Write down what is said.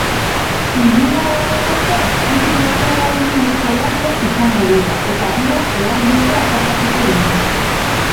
Ilunabarrerako hiru metrorainoko olatuak izango dira eta bihar lau metro harrapatuko dituzte.